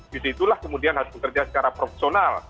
disitulah kemudian harus bekerja secara profesional